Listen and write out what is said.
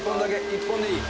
１本でいい。